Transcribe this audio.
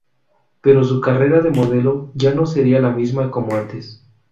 Pero su carrera de modelo ya no sería la misma como antes.